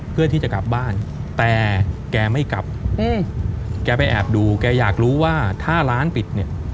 เพื่อที่จะกลับบ้านแต่แกไม่กลับแกไปแอบดูแกอยากรู้ว่าถ้าร้านปิดเนี่ย